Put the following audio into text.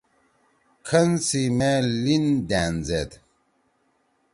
کھن سی مے لیِن دأن زید